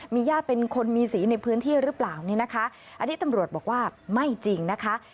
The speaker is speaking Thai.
มีญาติเป็นคนมีสีในพื้นที่หรือเปล่าเนี่ยนะคะอันนี้ตำรวจบอกว่าไม่จริงนะคะ